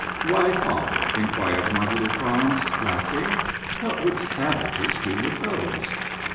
" Why, father," inquired my little Franz, laughing, " what would savages do with those